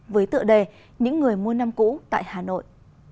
với tựa đề những người mua năm cũ tại hà nội